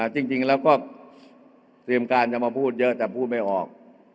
จริงแล้วก็เตรียมการจะมาพูดเยอะแต่พูดไม่ออก